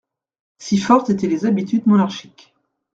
Si fortes étaient les habitudes monarchiques.